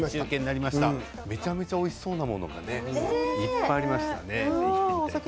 めちゃめちゃおいしそうなものがいっぱいありましたね。